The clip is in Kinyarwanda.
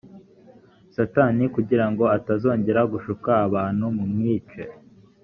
satani kugira ngo atazongera gushuka abantu mumwice.